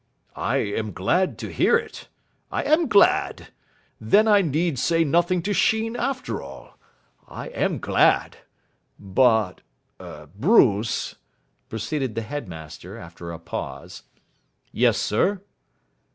"I am glad to hear it. I am glad. Then I need say nothing to Sheen after all. I am glad.... But er Bruce," proceeded the headmaster after a pause. "Yes, sir?"